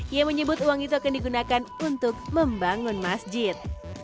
ia menyebut uang itu akan digunakan untuk membangun masjid